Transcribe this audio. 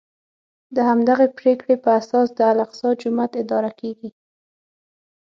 د همدغې پرېکړې په اساس د الاقصی جومات اداره کېږي.